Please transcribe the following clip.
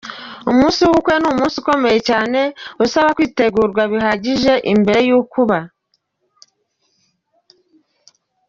Umunsi w’ubukwe ni umunsi ukomeye cyane usaba kwitegurwa bihagije mbere y’uko uba.